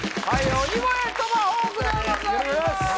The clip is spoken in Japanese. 鬼越トマホークでございます